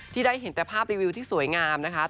ได้เห็นแต่ภาพรีวิวที่สวยงามนะคะ